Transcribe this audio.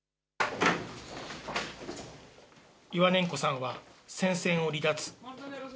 イワネンコさんは、戦線を離脱。